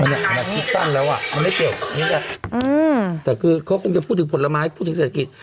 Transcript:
อันนี้เป็นอะไรมันคิดสั้นแล้วอ่ะมันไม่เกี่ยวอืมแต่คือเขาก็คงจะพูดถึงผลไม้พูดถึงเศรษฐกิจ